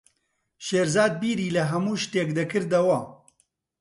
شێرزاد بیری لە هەموو شتێک دەکردەوە.